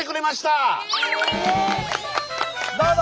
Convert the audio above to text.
どうぞ！